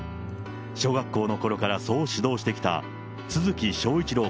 小学校のころからそう指導してきた都築章一郎